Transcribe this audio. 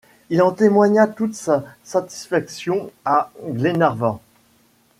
Il en témoigna toute sa satisfaction à Glenarvan.